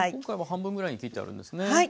今回は半分ぐらいに切ってあるんですね。